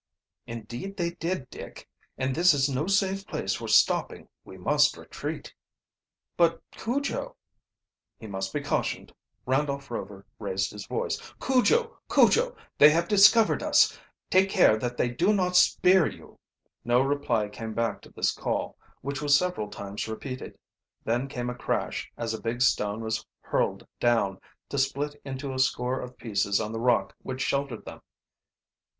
"Indeed they did, Dick. And this is no safe place for stopping. We must retreat." "But Cujo ?" "He must be cautioned." Randolph Rover raised his voice. "Cujo! Cujo! They have discovered us! Take care that they do not spear you." No reply came back to this call, which was several times repeated. Then came a crash, as a big stone was hurled down, to split into a score of pieces on the rock which sheltered them.